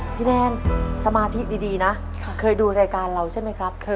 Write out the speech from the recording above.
พี่แนนสมาธิดีนะเข้ดูรายการเราใช่มั้ยครับ